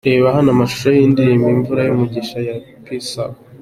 Reba hano amashusho y'indirimbo 'Imvura y'umugisha ya Peace Up.